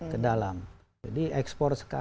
ke dalam jadi ekspor